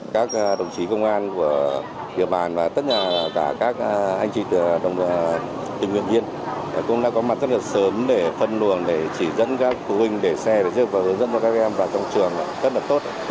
các đồng chí công an của địa bàn và tất cả các anh chị tình nguyện viên cũng đã có mặt rất là sớm để phân luồng để chỉ dẫn các phụ huynh để xe và rơi vào hướng dẫn cho các em vào trong trường rất là tốt